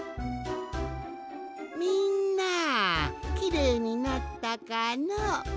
みんなきれいになったかのう？